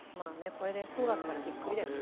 これでそうだったらビックリだよな。